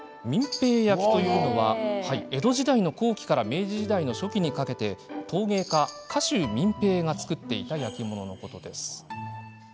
平焼とは、江戸時代後期から明治時代初期にかけて陶芸家、賀集みん平が作っていた焼き物のこと。